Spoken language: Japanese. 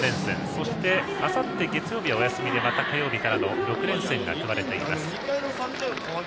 そしてあさって月曜日はお休みでまた火曜日からの６連戦が組まれています。